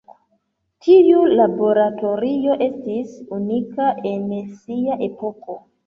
Tiu laboratorio estis unika en sia epoko.